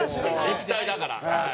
液体だからはい。